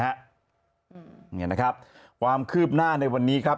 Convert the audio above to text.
นี่นะครับความคืบหน้าในวันนี้ครับ